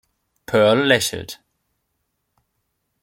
Pearl lächelt.